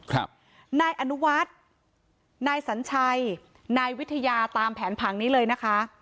นายอนุวัฒน์นายสัญชัยนายวิทยาตามแผนผังนี้เลยนะคะ